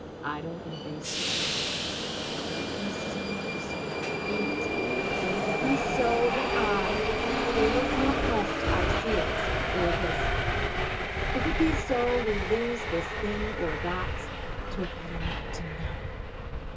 Idle and base the cry 'If it be so, so be it; But if it be so, then I Will look not lest I see it.' Or this, 'If it be so We lose this thing or that; 'Twere better not to know.